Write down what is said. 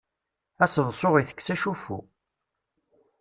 Aseḍsu itekkes acuffu.